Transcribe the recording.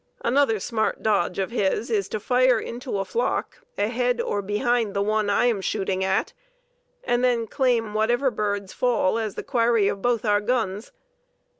"Another smart dodge of his is to fire into a flock ahead or behind the one I am shooting at and then claim whatever birds fall as the quarry of both our guns.